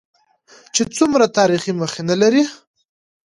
چې څومره تاريخي مخينه لري.